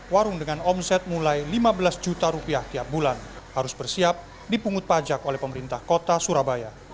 warung dengan omset mulai lima belas juta rupiah tiap bulan harus bersiap dipungut pajak oleh pemerintah kota surabaya